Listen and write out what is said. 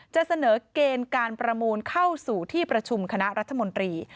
จะเสนอเกณฑ์การประมูลเข้าสู่ที่ประชุมคณะรัฐมนตรี